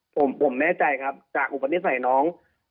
ผมแน่ใจครับจากอุปนิสัยน้อง